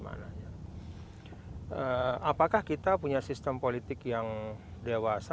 apakah kita punya sistem politik yang dewasa